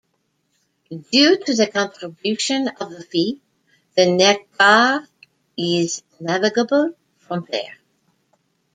Due to the contribution of the Fils, the Neckar is navigable from there.